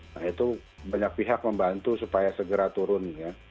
nah itu banyak pihak membantu supaya segera turun ya